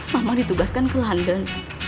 mama ditugaskan ke london